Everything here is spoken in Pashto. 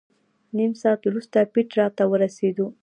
نیم ساعت وروسته پېټرا ته ورسېدو.